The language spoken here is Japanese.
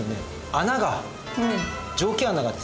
穴が蒸気穴がですね